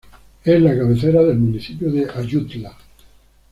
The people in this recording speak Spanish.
Es la cabecera del Municipio de Ayutla.